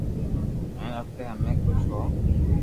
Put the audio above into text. ھين اپي ھمي خوس ھون